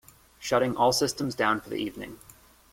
Shutting all systems down for the evening.